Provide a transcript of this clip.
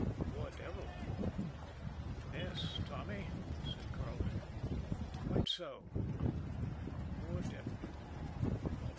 "Poor devil." "Yes, Tommy," said Carleton. "Quite so poor devil."